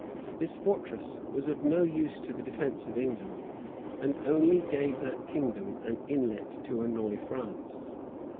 This fortress was of no use to the defence of England, and only gave that kingdom an inlet to annoy France.